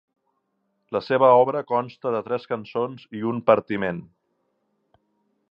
La seva obra consta de tres cançons i un partiment.